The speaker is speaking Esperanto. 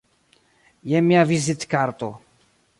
Jen mia vizitkarto.